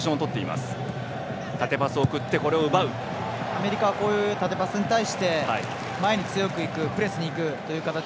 アメリカは縦パスに対して前に強くいくプレスにいくという形。